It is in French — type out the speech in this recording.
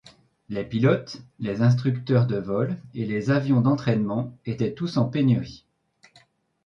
Les pilotes, les instructeurs de vol et les avions d'entraînement étaient tous en pénurie.